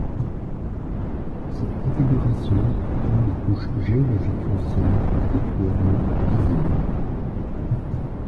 Cette configuration rend les couches géologiques anciennes particulièrement visibles.